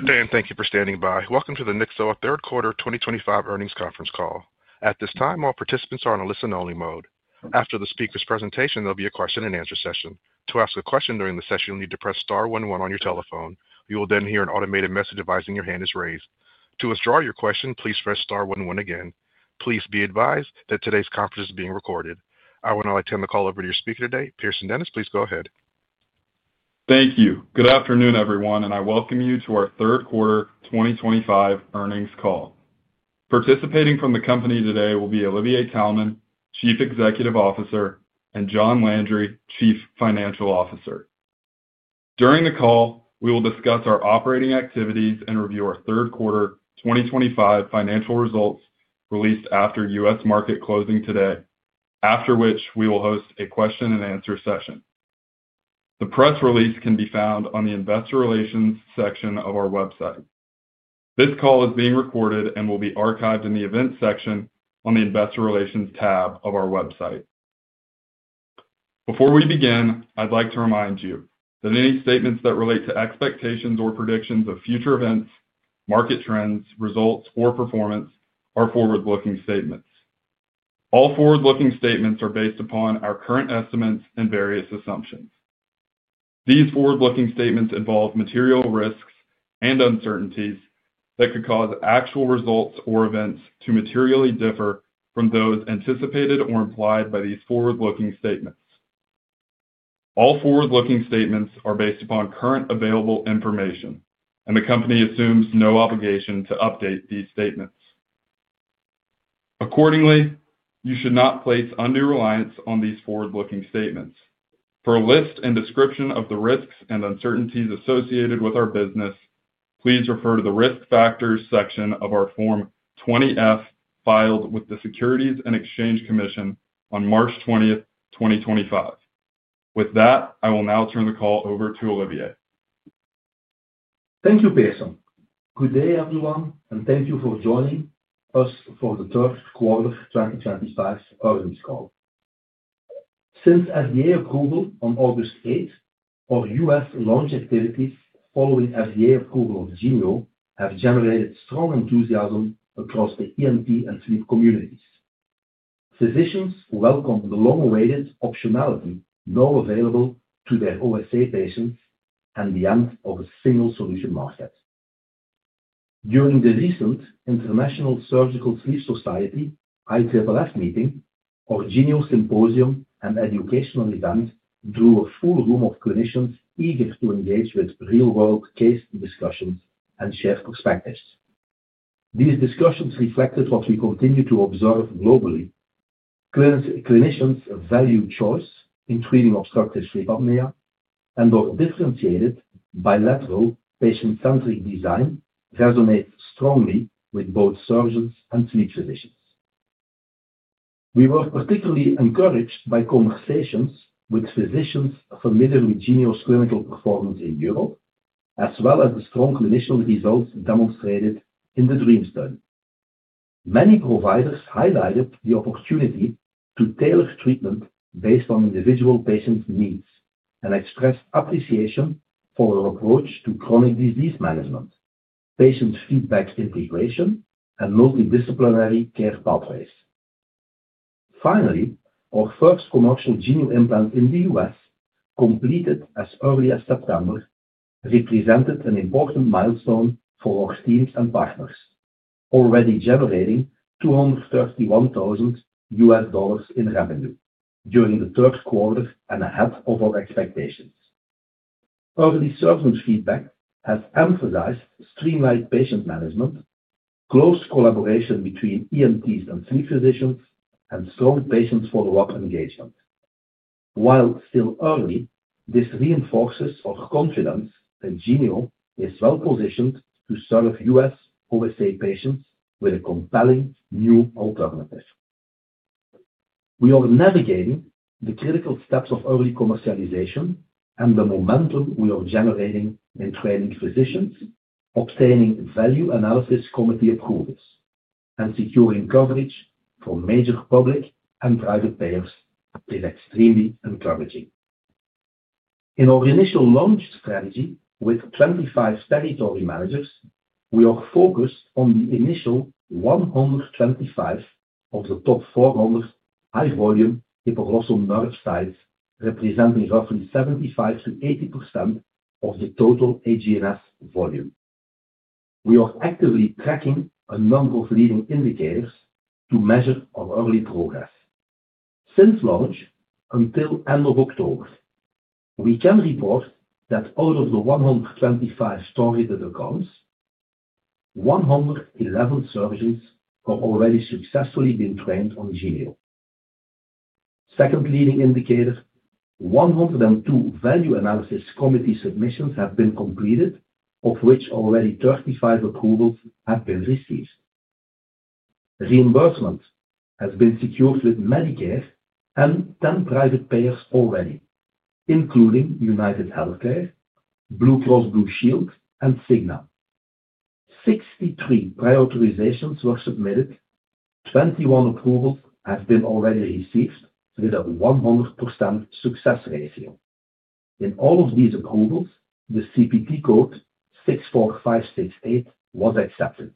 Good day, and thank you for standing by. Welcome to the Nyxoah third quarter 2025 earnings conference call. At this time, all participants are on a listen-only mode. After the speaker's presentation, there'll be a question-and-answer session. To ask a question during the session, you'll need to press star one-one on your telephone. You will then hear an automated message advising your hand is raised. To withdraw your question, please press star one-one again. Please be advised that today's conference is being recorded. I will now extend the call over to your speaker today, Pearson Dennis. Please go ahead. Thank you. Good afternoon, everyone, and I welcome you to our third quarter 2025 earnings call. Participating from the company today will be Olivier Taelman, Chief Executive Officer, and John Landry, Chief Financial Officer. During the call, we will discuss our operating activities and review our third quarter 2025 financial results released after U.S. market closing today, after which we will host a question-and-answer session. The press release can be found on the investor relations section of our website. This call is being recorded and will be archived in the events section on the investor relations tab of our website. Before we begin, I'd like to remind you that any statements that relate to expectations or predictions of future events, market trends, results, or performance are forward-looking statements. All forward-looking statements are based upon our current estimates and various assumptions. These forward-looking statements involve material risks and uncertainties that could cause actual results or events to materially differ from those anticipated or implied by these forward-looking statements. All forward-looking statements are based upon current available information, and the company assumes no obligation to update these statements. Accordingly, you should not place undue reliance on these forward-looking statements. For a list and description of the risks and uncertainties associated with our business, please refer to the risk factors section of our Form 20-F filed with the Securities and Exchange Commission on March 20th, 2025. With that, I will now turn the call over to Olivier. Thank you, Pearson. Good day, everyone, and thank you for joining us for the third quarter 2025 earnings call. Since FDA approval on August 8th, our U.S. launch activities following FDA approval of Genio have generated strong enthusiasm across the ENT and sleep communities. Physicians welcome the long-awaited optionality now available to their OSA patients and the end of a single solution market. During the recent International Surgical Sleep Society ISSS meeting, our Genio symposium and educational event drew a full room of clinicians eager to engage with real-world case discussions and share perspectives. These discussions reflected what we continue to observe globally: clinicians value choice in treating obstructive sleep apnea and our differentiated bilateral patient-centric design resonates strongly with both surgeons and sleep physicians. We were particularly encouraged by conversations with physicians familiar with Genio's clinical performance in Europe, as well as the strong clinician results demonstrated in the DREAM pivotal study. Many providers highlighted the opportunity to tailor treatment based on individual patients' needs and expressed appreciation for our approach to chronic disease management, patient feedback integration, and multidisciplinary care pathways. Finally, our first commercial Genio implant in the U.S., completed as early as September, represented an important milestone for our teams and partners, already generating $231,000 in revenue during the third quarter and ahead of our expectations. Early surgeon feedback has emphasized streamlined patient management, close collaboration between ENTs and sleep physicians, and strong patient follow-up engagement. While still early, this reinforces our confidence that Genio is well-positioned to serve U.S. OSA patients with a compelling new alternative. We are navigating the critical steps of early commercialization and the momentum we are generating in training physicians, obtaining value analysis committee approvals, and securing coverage for major public and private payers is extremely encouraging. In our initial launch strategy with 25 territory managers, we are focused on the initial 125 of the top 400 high-volume hypoglossal nerve sites, representing roughly 75%-80% of the total HGNS volume. We are actively tracking a number of leading indicators to measure our early progress. Since launch until end of October, we can report that out of the 125 sites that accounts, 111 surgeons have already successfully been trained on Genio. Second leading indicator, 102 value analysis committee submissions have been completed, of which already 35 approvals have been received. Reimbursement has been secured with Medicare and 10 private payers already, including United HealthCare, Blue Cross Blue Shield, and Cigna. 63 prioritizations were submitted. 21 approvals have been already received with a 100% success ratio. In all of these approvals, the CPT code 64568 was accepted.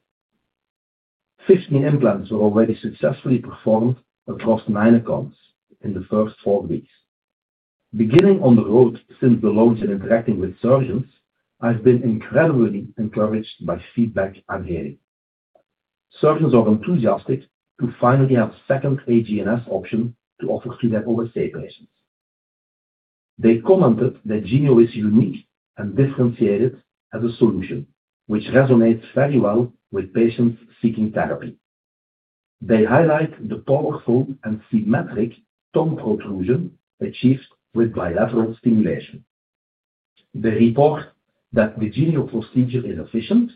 15 implants were already successfully performed across nine accounts in the first four weeks. Beginning on the road since the launch and interacting with surgeons, I've been incredibly encouraged by feedback I'm hearing. Surgeons are enthusiastic to finally have a second HGNS option to offer to their OSA patients. They commented that Genio is unique and differentiated as a solution which resonates very well with patients seeking therapy. They highlight the powerful and symmetric tongue protrusion achieved with bilateral stimulation. They report that the Genio procedure is efficient,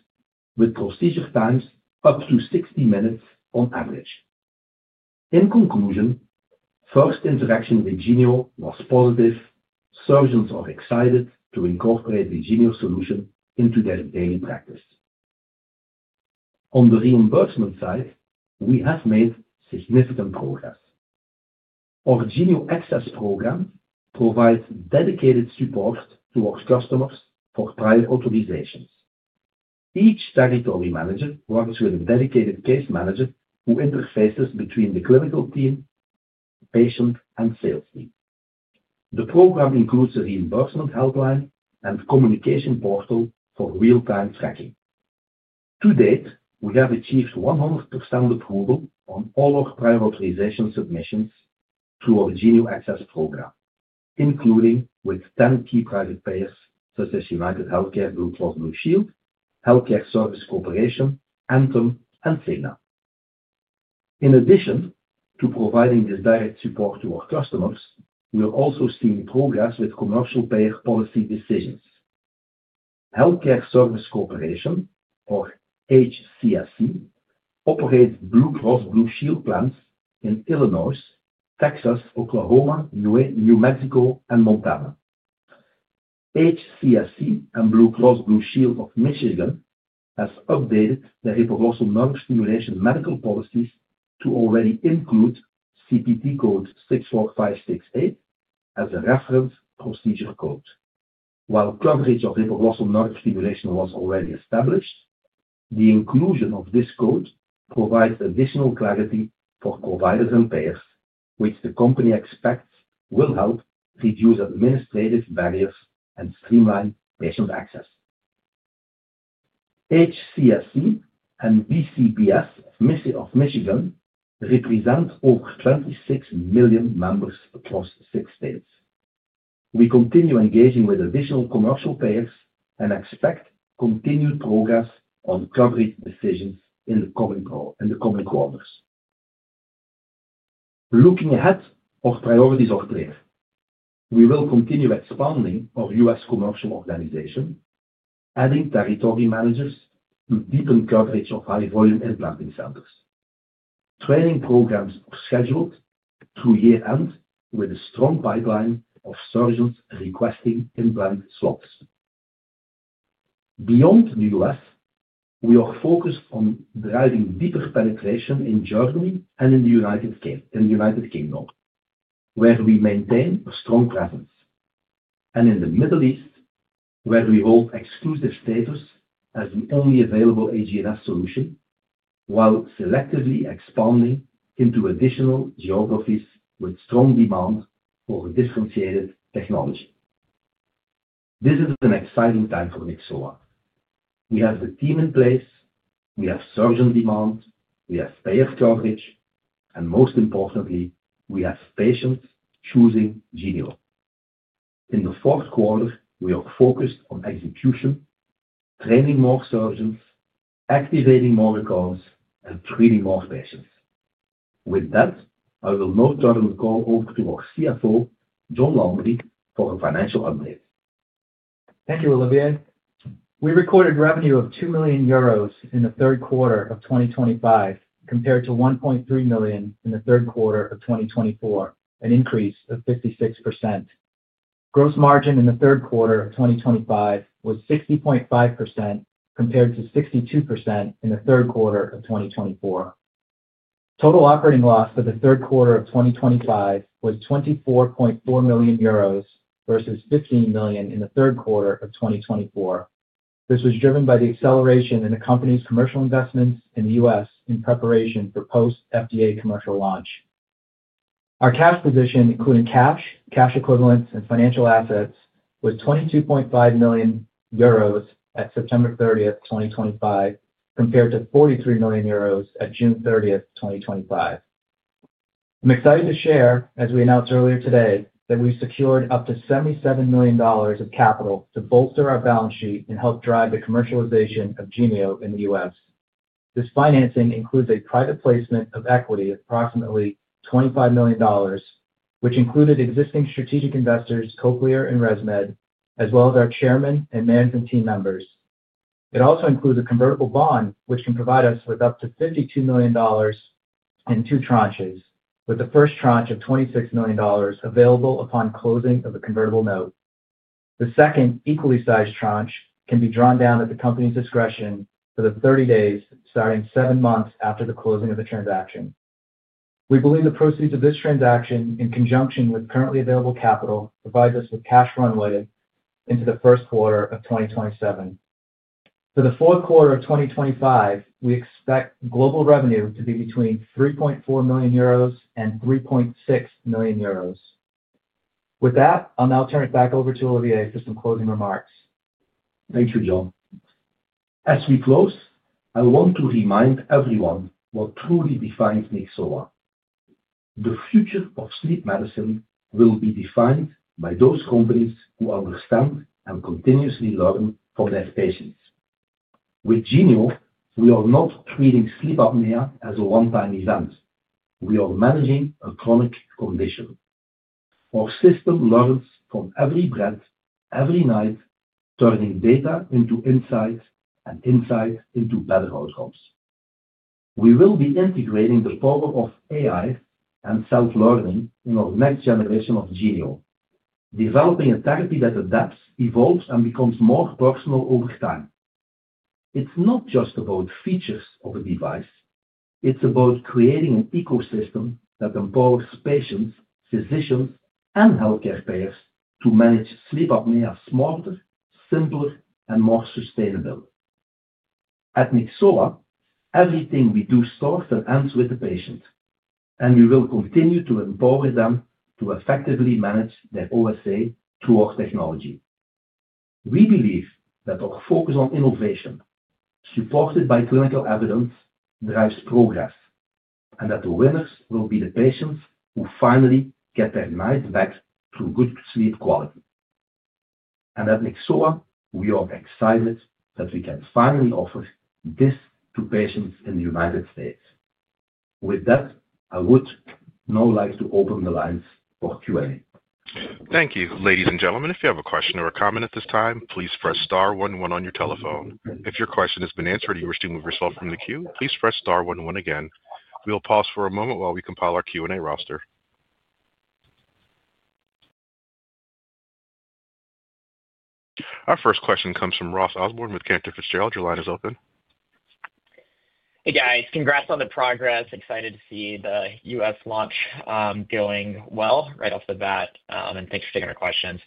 with procedure times up to 60 minutes on average. In conclusion, first interaction with Genio was positive; surgeons are excited to incorporate the Genio solution into their daily practice. On the reimbursement side, we have made significant progress. Our Genio access program provides dedicated support to our customers for prior authorizations. Each territory manager works with a dedicated case manager who interfaces between the clinical team, patient, and sales team. The program includes a reimbursement helpline and communication portal for real-time tracking. To date, we have achieved 100% approval on all our prior authorization submissions through our Genio access program, including with 10 key private payers such as United HealthCare, Blue Cross Blue Shield, Health Care Service Corporation, Anthem, and Cigna. In addition to providing this direct support to our customers, we are also seeing progress with commercial payer policy decisions. Health Care Service Corporation, or HCSC, operates Blue Cross Blue Shield plans in Illinois, Texas, Oklahoma, New Mexico, and Montana. HCSC and Blue Cross Blue Shield of Michigan have updated their hypoglossal nerve stimulation medical policies to already include CPT code 64568 as a reference procedure code. While coverage of hypoglossal nerve stimulation was already established, the inclusion of this code provides additional clarity for providers and payers, which the company expects will help reduce administrative barriers and streamline patient access. HCSC and Blue Cross Blue Shield of Michigan represent over 26 million members across six states. We continue engaging with additional commercial payers and expect continued progress on coverage decisions in the coming quarters. Looking ahead, our priorities are clear. We will continue expanding our U.S. commercial organization, adding territory managers to deepen coverage of high-volume implanting centers. Training programs are scheduled through year-end, with a strong pipeline of surgeons requesting implant slots. Beyond the U.S., we are focused on driving deeper penetration in Germany and in the United Kingdom, where we maintain a strong presence, and in the Middle East, where we hold exclusive status as the only available HGNS solution, while selectively expanding into additional geographies with strong demand for differentiated technology. This is an exciting time for Nyxoah. We have the team in place, we have surgeon demand, we have payer coverage, and most importantly, we have patients choosing Genio. In the fourth quarter, we are focused on execution, training more surgeons, activating more accounts, and treating more patients. With that, I will now turn the call over to our CFO, John Landry, for a financial update. Thank you, Olivier. We recorded revenue of 2 million euros in the third quarter of 2025 compared to 1.3 million in the third quarter of 2024, an increase of 56%. Gross margin in the third quarter of 2025 was 60.5% compared to 62% in the third quarter of 2024. Total operating loss for the third quarter of 2025 was 24.4 million euros versus 15 million in the third quarter of 2024. This was driven by the acceleration in the company's commercial investments in the U.S. in preparation for post-FDA commercial launch. Our cash position, including cash, cash equivalents, and financial assets, was 22.5 million euros at September 30th, 2025, compared to 43 million euros at June 30th, 2025. I'm excited to share, as we announced earlier today, that we secured up to $77 million of capital to bolster our balance sheet and help drive the commercialization of Genio in the U.S. This financing includes a private placement of equity of approximately $25 million, which included existing strategic investors, Cochlear and ResMed, as well as our Chairman and management team members. It also includes a convertible bond, which can provide us with up to $52 million in two tranches, with the first tranche of $26 million available upon closing of the convertible note. The second, equally sized tranche can be drawn down at the company's discretion for the 30 days, starting seven months after the closing of the transaction. We believe the proceeds of this transaction, in conjunction with currently available capital, provide us with cash runway into the first quarter of 2027. For the fourth quarter of 2025, we expect global revenue to be between 3.4 million euros and 3.6 million euros. With that, I'll now turn it back over to Olivier for some closing remarks. Thank you, John. As we close, I want to remind everyone what truly defines Nyxoah. The future of sleep medicine will be defined by those companies who understand and continuously learn from their patients. With Genio, we are not treating sleep apnea as a one-time event; we are managing a chronic condition. Our system learns from every breath, every night, turning data into insights and insights into better outcomes. We will be integrating the power of AI and self-learning in our next generation of Genio, developing a therapy that adapts, evolves, and becomes more personal over time. It's not just about features of a device; it's about creating an ecosystem that empowers patients, physicians, and healthcare payers to manage sleep apnea smarter, simpler, and more sustainably. At Nyxoah, everything we do starts and ends with the patient, and we will continue to empower them to effectively manage their OSA through our technology. We believe that our focus on innovation, supported by clinical evidence, drives progress, and that the winners will be the patients who finally get their night's back through good sleep quality. At Nyxoah, we are excited that we can finally offer this to patients in the United States. With that, I would now like to open the lines for Q&A. Thank you, ladies and gentlemen. If you have a question or a comment at this time, please press star one one on your telephone. If your question has been answered or you wish to move yourself from the queue, please press star one one again. We'll pause for a moment while we compile our Q&A roster. Our first question comes from Ross Osborn with Cantor Fitzgerald. Your line is open. Hey, guys. Congrats on the progress. Excited to see the U.S. launch going well right off the bat, and thanks for taking our questions.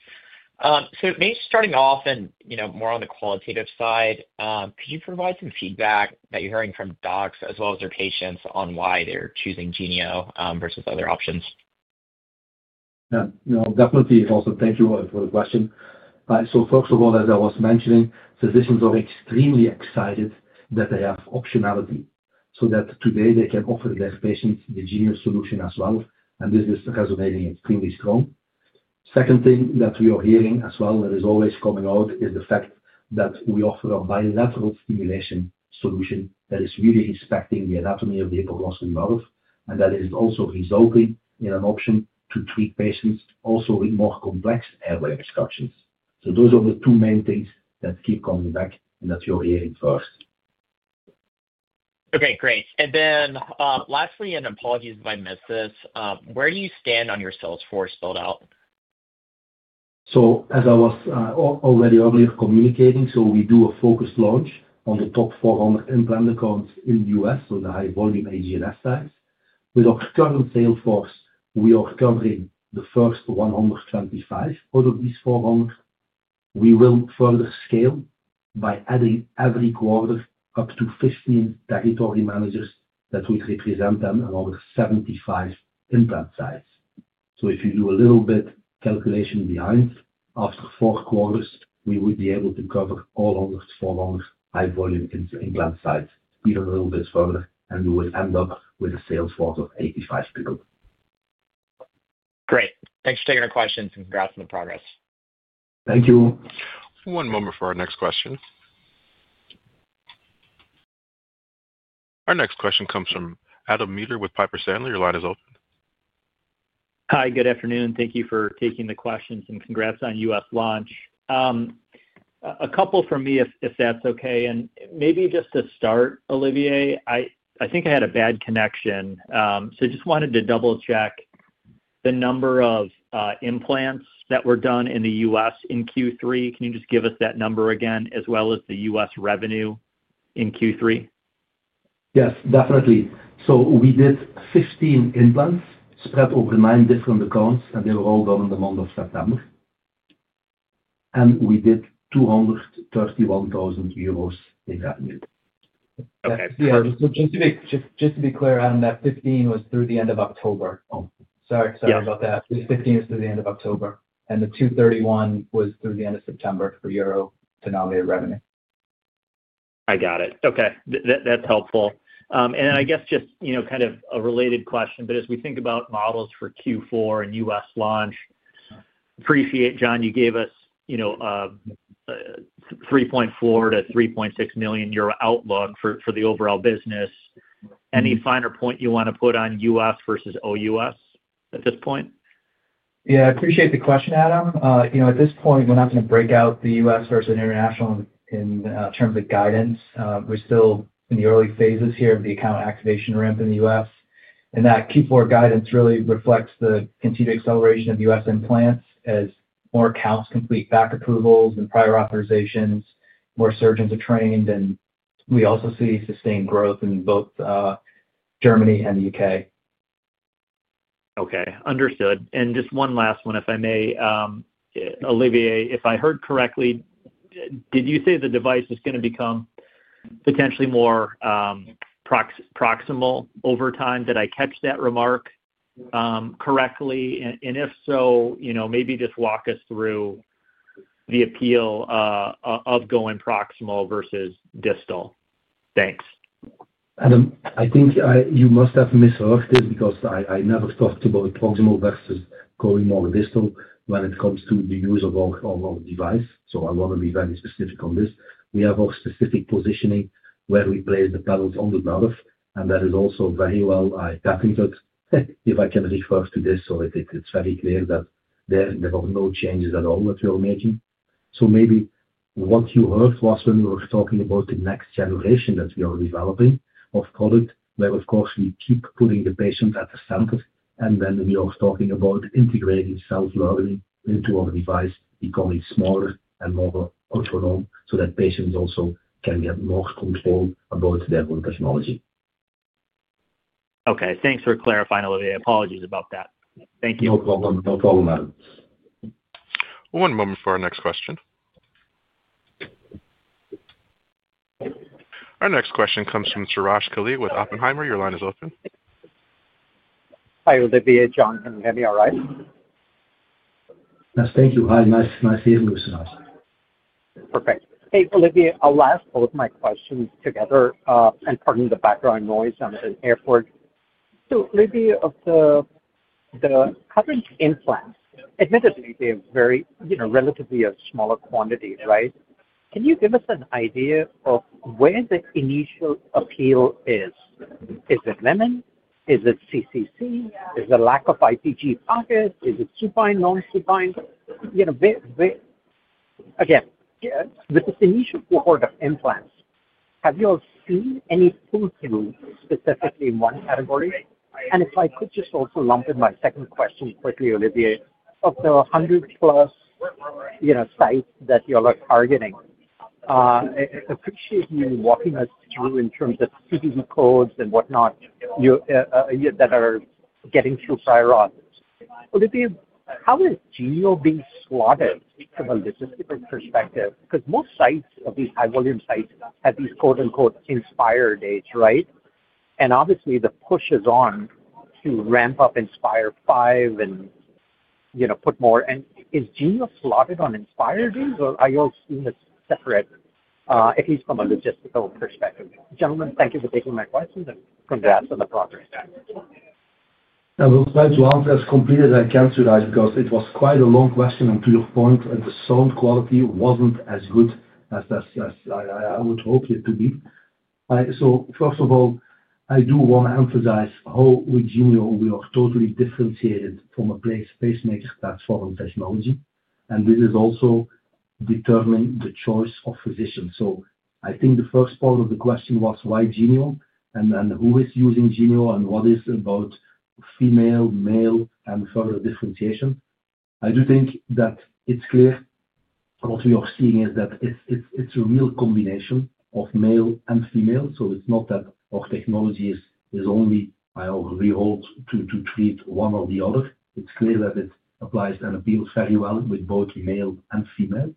Maybe starting off and more on the qualitative side, could you provide some feedback that you're hearing from docs as well as their patients on why they're choosing Genio versus other options? Yeah, no, definitely. Also, thank you for the question. First of all, as I was mentioning, physicians are extremely excited that they have optionality so that today they can offer their patients the Genio solution as well, and this is resonating extremely strong. The second thing that we are hearing as well that is always coming out is the fact that we offer a bilateral stimulation solution that is really respecting the anatomy of the hypoglossal nerve, and that is also resulting in an option to treat patients also with more complex airway obstructions. Those are the two main things that keep coming back and that you're hearing first. Okay, great. Lastly, and apologies if I missed this, where do you stand on your sales force build-out? As I was already earlier communicating, we do a focused launch on the top 400 implant accounts in the U.S., so the high-volume HGNS sites. With our current sales force, we are covering the first 125 out of these 400. We will further scale by adding every quarter up to 15 territory managers that would represent them and over 75 implant sites. If you do a little bit of calculation behind, after four quarters, we would be able to cover all of the 400 high-volume implant sites, even a little bit further, and we would end up with a sales force of 85 people. Great. Thanks for taking our questions and congrats on the progress. Thank you. One moment for our next question. Our next question comes from Adam Maeder with Piper Sandler. Your line is open. Hi, good afternoon. Thank you for taking the questions and congrats on U.S. launch. A couple from me, if that's okay. Maybe just to start, Olivier, I think I had a bad connection, so I just wanted to double-check the number of implants that were done in the U.S. in Q3. Can you just give us that number again, as well as the U.S. revenue in Q3? Yes, definitely. We did 15 implants spread over nine different accounts, and they were all done in the month of September. We did EUR 231,000 in revenue. Okay. So just to be clear, Adam, that 15 was through the end of October. Sorry about that. The 15 was through the end of October, and the 231 was through the end of September for Euro denominated revenue. I got it. Okay, that's helpful. And then I guess just kind of a related question, but as we think about models for Q4 and U.S. launch, appreciate, John, you gave us a 3.4 million-3.6 million euro outlook for the overall business. Any finer point you want to put on U.S. versus OUS at this point? Yeah, I appreciate the question, Adam. At this point, we're not going to break out the U.S. versus international in terms of guidance. We're still in the early phases here of the account activation ramp in the U.S. That Q4 guidance really reflects the continued acceleration of U.S. implants as more accounts complete back approvals and prior authorizations, more surgeons are trained, and we also see sustained growth in both Germany and the U.K. Okay, understood. Just one last one, if I may, Olivier, if I heard correctly, did you say the device is going to become potentially more proximal over time? Did I catch that remark correctly? If so, maybe just walk us through the appeal of going proximal versus distal. Thanks. Adam, I think you must have misheard this because I never talked about proximal versus going more distal when it comes to the use of our device. I want to be very specific on this. We have our specific positioning where we place the panels on the nerve, and that is also very well patented. If I can refer to this, it is very clear that there are no changes at all that we are making. Maybe what you heard was when we were talking about the next generation that we are developing of product, where, of course, we keep putting the patient at the center, and then we are talking about integrating self-learning into our device, becoming smaller and more autonomous so that patients also can get more control about their own technology. Okay, thanks for clarifying, Olivier. Apologies about that. Thank you. No problem. No problem, Adam. One moment for our next question. Our next question comes from Suraj Kalia with Oppenheimer. Your line is open. Hi, Olivier, John, can you hear me all right? Yes, thank you. Hi, nice evening to you, Suraj. Perfect. Hey, Olivier, I'll ask all of my questions together. And pardon the background noise, I'm at an airport. So Olivier, of the current implants, admittedly, they're relatively a smaller quantity, right? Can you give us an idea of where the initial appe3al is? Is it women? Is it CCC? Is it lack of ICG pockets? Is it supine, non-supine? Again, with this initial cohort of implants, have you all seen any pull-through specifically in one category? And if I could just also lump in my second question quickly, Olivier, of the 100+ sites that you all are targeting, I appreciate you walking us through in terms of CVV codes and whatnot that are getting through prior authors. Olivier, how is Genio being slotted from a logistical perspective? Because most sites of these high-volume sites have these quote-unquote Inspire days, right? Obviously, the push is on to ramp up Inspire V and put more. Is Genio slotted on Inspire days, or are you all seeing this separate, at least from a logistical perspective? Gentlemen, thank you for taking my questions, and congrats on the progress. I would like to emphasize completely that I can't surprise because it was quite a long question on to your point, and the sound quality wasn't as good as I would hope it to be. First of all, I do want to emphasize how with Genio, we are totally differentiated from a pacemaker platform technology, and this is also determining the choice of physicians. I think the first part of the question was, why Genio, and then who is using Genio, and what is it about female, male, and further differentiation? I do think that it's clear what we are seeing is that it's a real combination of male and female. It's not that our technology is only, I really, to treat one or the other. It's clear that it applies and appeals very well with both males and females.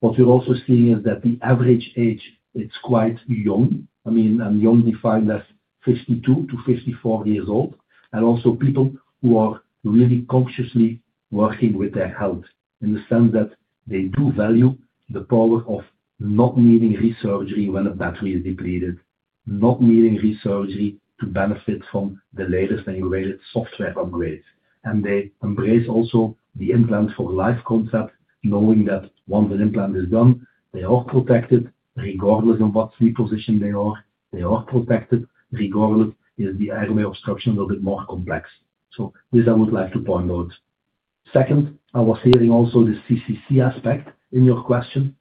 What we're also seeing is that the average age, it's quite young. I mean, and young defined as 52-54 years old, and also people who are really consciously working with their health in the sense that they do value the power of not needing resurgery when a battery is depleted, not needing resurgery to benefit from the latest and greatest software upgrades. They embrace also the implant for life concept, knowing that once an implant is done, they are protected regardless of what sleep position they are. They are protected regardless if the airway obstruction is a little bit more complex. This I would like to point out. Second, I was hearing also the CCC aspect in your question.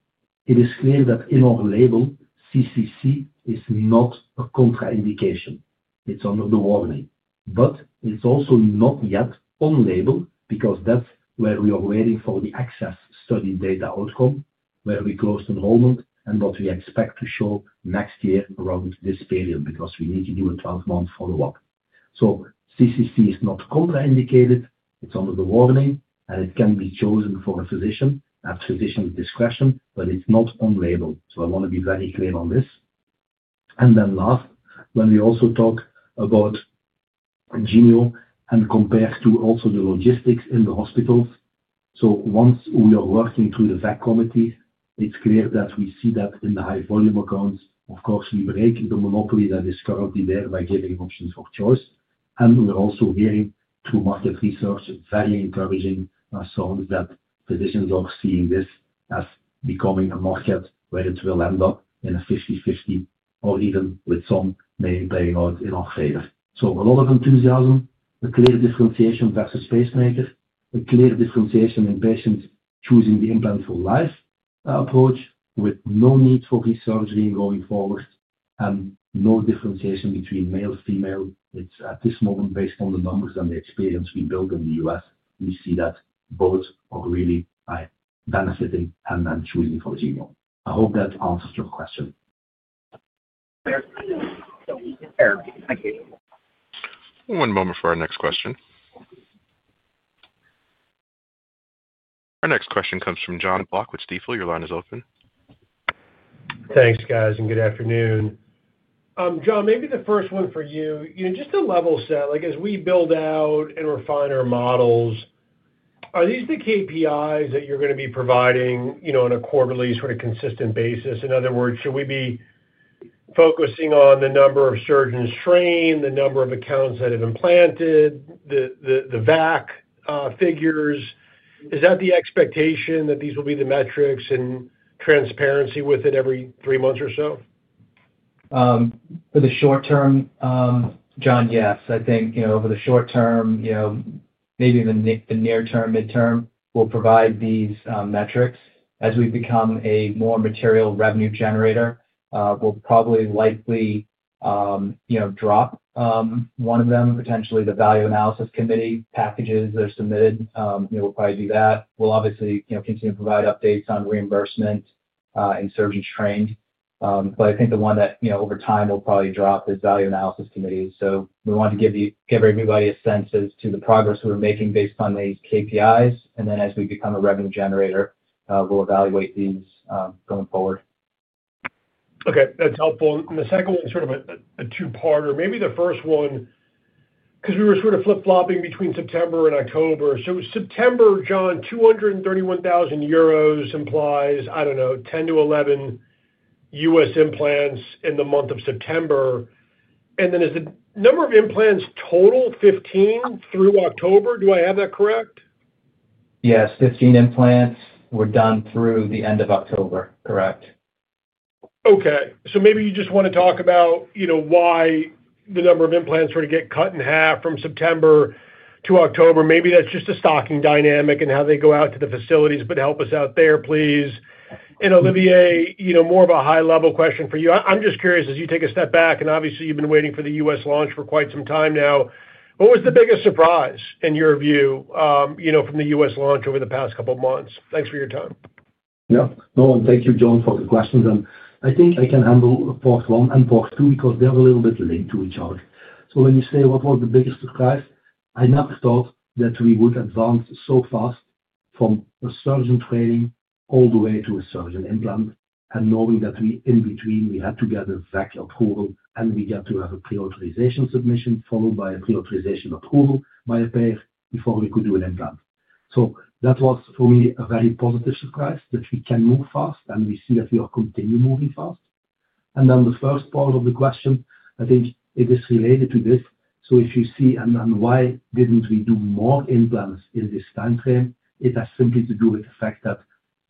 It is clear that in our label, CCC is not a contraindication. It's under the warning. It is also not yet on label because that is where we are waiting for the ACCCESS study data outcome, where we closed enrollment and what we expect to show next year around this period because we need to do a 12-month follow-up. So CCC is not contraindicated. It is under the warning, and it can be chosen for a physician at physician's discretion, but it is not on label. I want to be very clear on this. Last, when we also talk about Genio and compare to also the logistics in the hospitals, once we are working through the VAC committees, it is clear that we see that in the high-volume accounts. Of course, we break the monopoly that is currently there by giving options for choice. We're also hearing through market research very encouraging sounds that physicians are seeing this as becoming a market where it will end up in a 50/50 or even with some may play out in our favor. A lot of enthusiasm, a clear differentiation versus pacemakers, a clear differentiation in patients choosing the implant for life approach with no need for resurgery going forward, and no differentiation between male, female. It's at this moment based on the numbers and the experience we build in the U.S., we see that both are really benefiting and choosing for Genio. I hope that answers your question. Thank you. One moment for our next question. Our next question comes from Jon Block with Stifel. Your line is open. Thanks, guys, and good afternoon. John, maybe the first one for you, just to level set, as we build out and refine our models, are these the KPIs that you're going to be providing on a quarterly sort of consistent basis? In other words, should we be focusing on the number of surgeons trained, the number of accounts that have implanted, the VAC figures? Is that the expectation that these will be the metrics and transparency with it every three months or so? For the short term, Jon, yes. I think over the short term, maybe the near term, midterm, we'll provide these metrics. As we become a more material revenue generator, we'll probably likely drop one of them, potentially the value analysis committee packages that are submitted. We'll probably do that. We'll obviously continue to provide updates on reimbursement and surgeons trained. I think the one that over time will probably drop is value analysis committees. We want to give everybody a sense as to the progress we're making based on these KPIs. As we become a revenue generator, we'll evaluate these going forward. Okay, that's helpful. The second one is sort of a two-parter. Maybe the first one, because we were sort of flip-flopping between September and October. September, John, 231,000 euros implies, I don't know, 10-11 U.S. implants in the month of September. Is the number of implants total 15 through October? Do I have that correct? Yes, 15 implants were done through the end of October, correct. Okay. Maybe you just want to talk about why the number of implants sort of get cut in half from September to October. Maybe that's just a stocking dynamic in how they go out to the facilities, but help us out there, please. Olivier, more of a high-level question for you. I'm just curious, as you take a step back, and obviously, you've been waiting for the U.S. launch for quite some time now, what was the biggest surprise in your view from the U.S. launch over the past couple of months? Thanks for your time. Yeah. No, thank you, Jon, for the questions. I think I can handle part one and part two because they are a little bit linked to each other. When you say what was the biggest surprise, I never thought that we would advance so fast from a surgeon training all the way to a surgeon implant and knowing that in between we had to get a VAC approval and we got to have a pre-authorization submission followed by a pre-authorization approval by a payer before we could do an implant. That was, for me, a very positive surprise that we can move fast and we see that we are continuing moving fast. The first part of the question, I think it is related to this. If you see, and why did not we do more implants in this time frame? It has simply to do with the fact that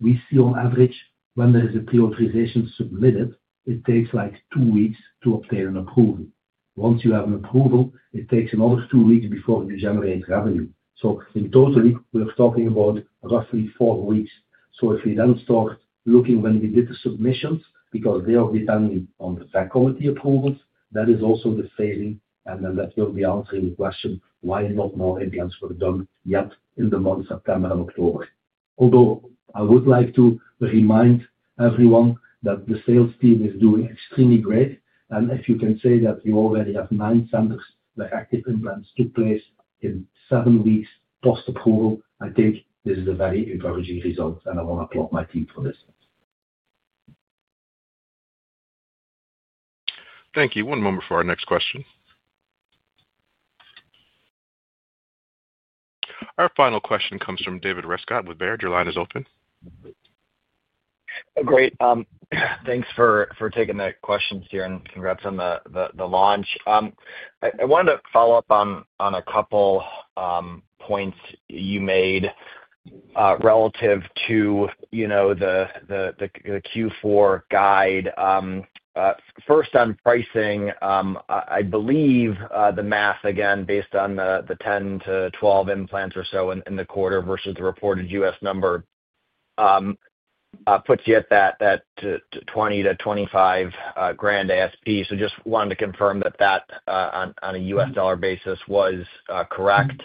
we see on average, when there is a pre-authorization submitted, it takes like two weeks to obtain an approval. Once you have an approval, it takes another two weeks before you generate revenue. In total, we are talking about roughly four weeks. If we then start looking when we did the submissions because they are depending on the VAC committee approvals, that is also the failing, and then that will be answering the question why not more implants were done yet in the months of September and October. Although I would like to remind everyone that the sales team is doing extremely great. If you can say that you already have nine centers where active implants took place in seven weeks post-approval, I think this is a very encouraging result, and I want to applaud my team for this. Thank you. One moment for our next question. Our final question comes from David Rescott with Baird. Your line is open. Great. Thanks for taking the questions here and congrats on the launch. I wanted to follow up on a couple points you made relative to the Q4 guide. First, on pricing, I believe the math, again, based on the 10-12 implants or so in the quarter versus the reported U.S. number puts you at that $20,000-$25,000 ASP. Just wanted to confirm that that on a U.S. dollar basis was correct.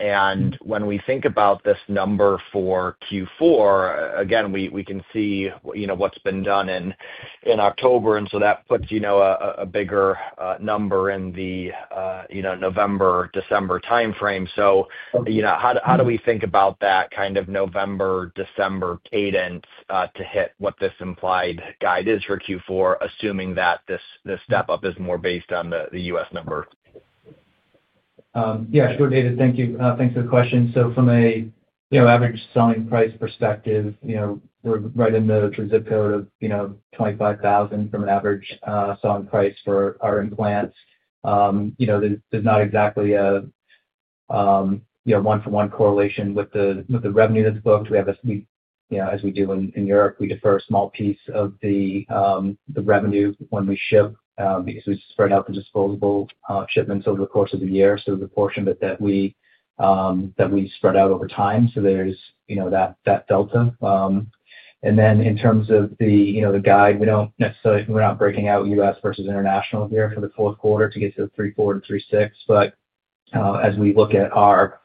When we think about this number for Q4, again, we can see what's been done in October, and that puts a bigger number in the November, December time frame. How do we think about that kind of November, December cadence to hit what this implied guide is for Q4, assuming that this step up is more based on the U.S. number? Yeah, sure, David. Thank you. Thanks for the question. From an average selling price perspective, we're right in the zip code of $25,000 from an average selling price for our implants. There's not exactly a one-for-one correlation with the revenue that's booked. As we do in Europe, we defer a small piece of the revenue when we ship because we spread out the disposable shipments over the course of the year. The portion that we spread out over time, there's that delta. In terms of the guide, we're not breaking out U.S. versus international here for the fourth quarter to get to 3.4-3.6. As we look at our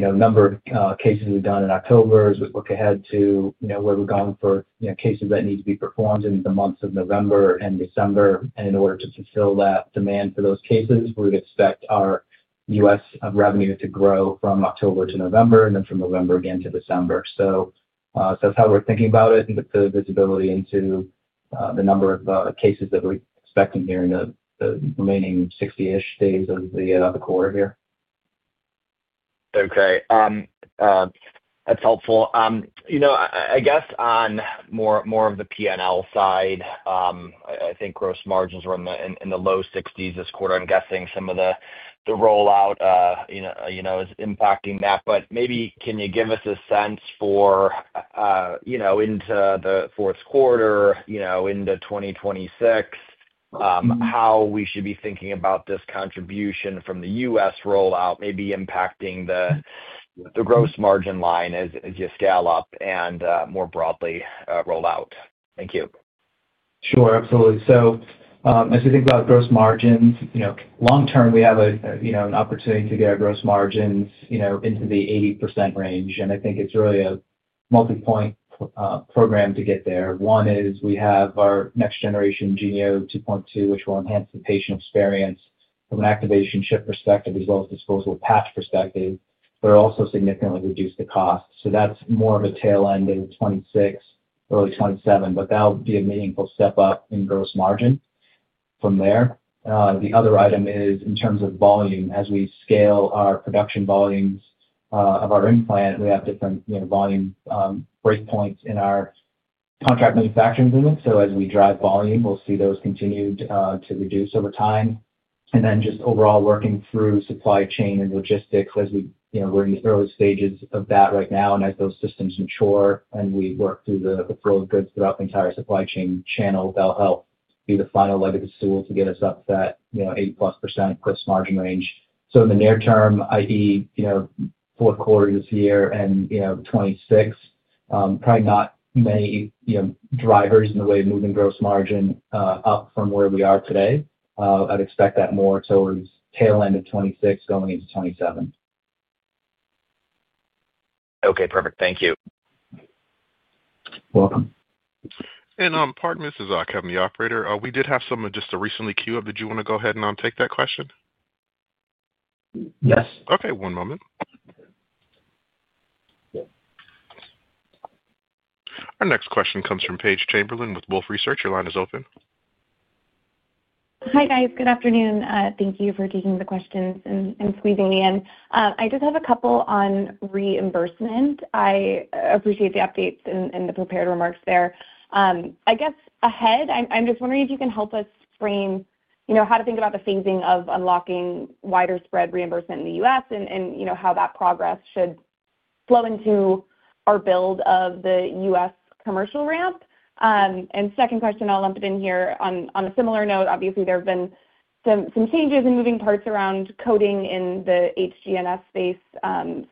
number of cases we've done in October, as we look ahead to where we're going for cases that need to be performed in the months of November and December, and in order to fulfill that demand for those cases, we would expect our U.S. revenue to grow from October to November and then from November again to December. That is how we're thinking about it and put the visibility into the number of cases that we're expecting here in the remaining 60-ish days of the quarter here. Okay. That's helpful. I guess on more of the P&L side, I think gross margins were in the low 60% this quarter. I'm guessing some of the rollout is impacting that. Maybe can you give us a sense for into the fourth quarter, into 2026, how we should be thinking about this contribution from the U.S. rollout, maybe impacting the gross margin line as you scale up and more broadly rollout? Thank you. Sure, absolutely. As we think about gross margins, long-term, we have an opportunity to get our gross margins into the 80% range. I think it's really a multi-point program to get there. One is we have our next-generation Genio 2.2, which will enhance the patient experience from an activation ship perspective as well as disposal patch perspective. It will also significantly reduce the cost. That is more of a tail end of 2026, early 2027, but that will be a meaningful step up in gross margin from there. The other item is in terms of volume. As we scale our production volumes of our implant, we have different volume breakpoints in our contract manufacturing unit. As we drive volume, we will see those continue to reduce over time. Then just overall working through supply chain and logistics as we are in the early stages of that right now. As those systems mature and we work through the flow of goods throughout the entire supply chain channel, that'll help be the final leg of the stool to get us up to that 80%+ gross margin range. In the near term, i.e. fourth quarter this year and 2026, probably not many drivers in the way of moving gross margin up from where we are today. I'd expect that more towards tail end of 2026 going into 2027. Okay, perfect. Thank you. You're welcome. Pardon me, this is Ockham, the operator. We did have some just recently queue up. Did you want to go ahead and take that question? Yes. Okay, one moment. Our next question comes from Paige Chamberlain with Wolfe Research. Your line is open. Hi guys, good afternoon. Thank you for taking the questions and squeezing me in. I just have a couple on reimbursement. I appreciate the updates and the prepared remarks there. I guess ahead, I'm just wondering if you can help us frame how to think about the phasing of unlocking widespread reimbursement in the U.S. and how that progress should flow into our build of the U.S. commercial ramp. Second question, I'll lump it in here on a similar note. Obviously, there have been some changes and moving parts around coding in the HGNS space.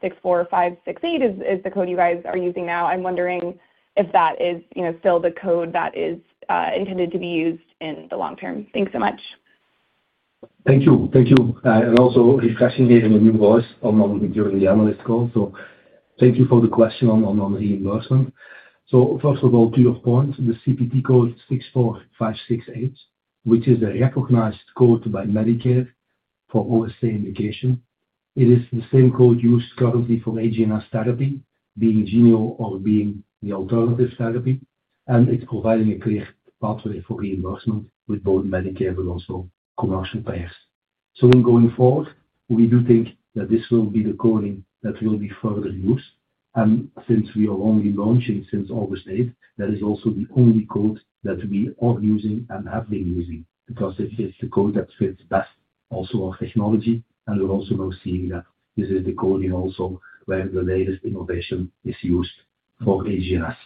64568 is the code you guys are using now. I'm wondering if that is still the code that is intended to be used in the long term. Thanks so much. Thank you. Thank you. And also refreshing me in a new voice during the analyst call. Thank you for the question on reimbursement. First of all, to your point, the CPT code 64568, which is a recognized code by Medicare for OSA indication, it is the same code used currently for HGNS therapy, being Genio or being the alternative therapy. It is providing a clear pathway for reimbursement with both Medicare but also commercial payers. In going forward, we do think that this will be the coding that will be further used. Since we are only launching since August 8th, that is also the only code that we are using and have been using because it is the code that fits best also our technology. We are also now seeing that this is the coding also where the latest innovation is used for HGNS.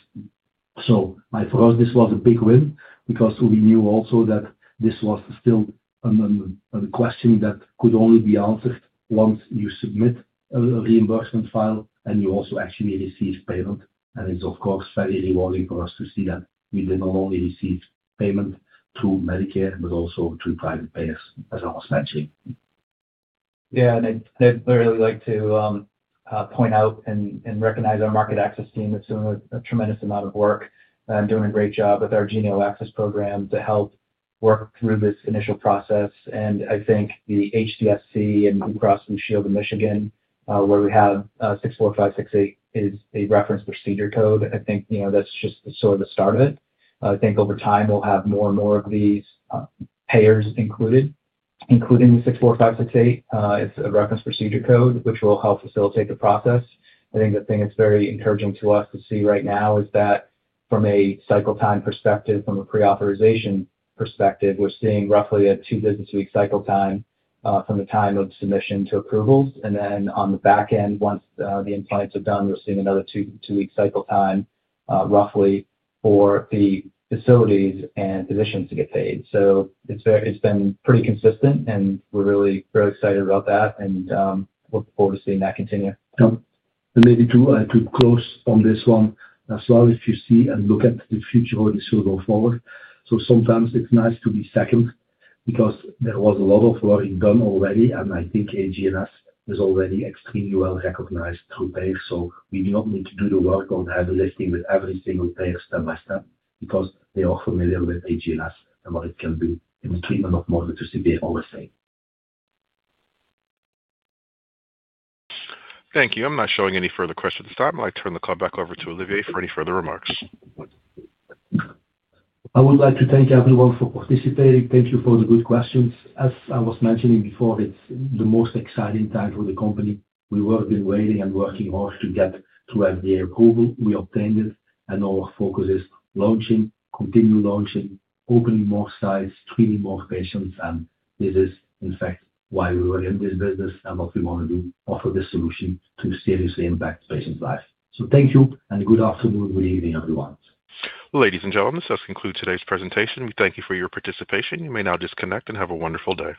For us, this was a big win because we knew also that this was still a question that could only be answered once you submit a reimbursement file and you also actually receive payment. It is, of course, very rewarding for us to see that we did not only receive payment through Medicare, but also through private payers, as I was mentioning. Yeah, and I'd really like to point out and recognize our market access team that's doing a tremendous amount of work and doing a great job with our Genio access program to help work through this initial process. I think the HCSC and Blue Cross Blue Shield of Michigan, where we have CPT code 64568, is a reference procedure code. I think that's just sort of the start of it. I think over time, we'll have more and more of these payers included, including the 64568. It's a reference procedure code, which will help facilitate the process. I think the thing that's very encouraging to us to see right now is that from a cycle time perspective, from a pre-authorization perspective, we're seeing roughly a two-business-week cycle time from the time of submission to approvals. On the back end, once the implants are done, we're seeing another two-week cycle time roughly for the facilities and physicians to get paid. It has been pretty consistent, and we're really very excited about that and look forward to seeing that continue. Maybe to close on this one, as well as you see and look at the future of this going forward. Sometimes it's nice to be second because there was a lot of work done already, and I think HGNS is already extremely well recognized through payers. We do not need to do the work on every listing with every single payer step by step because they are familiar with HGNS and what it can do in the treatment of more than just the OSA. Thank you. I'm not showing any further questions at this time. I'd like to turn the call back over to Olivier for any further remarks. I would like to thank everyone for participating. Thank you for the good questions. As I was mentioning before, it's the most exciting time for the company. We've all been waiting and working hard to get to FDA approval. We obtained it, and our focus is launching, continue launching, opening more sites, treating more patients. This is, in fact, why we were in this business and what we want to do, offer this solution to seriously impact patients' lives. Thank you, and good afternoon and good evening, everyone. Ladies and gentlemen, this does conclude today's presentation. We thank you for your participation. You may now disconnect and have a wonderful day.